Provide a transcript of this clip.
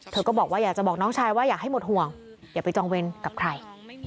ก็บอกว่าอยากจะบอกน้องชายว่าอยากให้หมดห่วงอย่าไปจองเวรกับใคร